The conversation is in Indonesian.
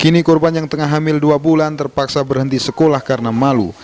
kini korban yang tengah hamil dua bulan terpaksa berhenti sekolah karena malu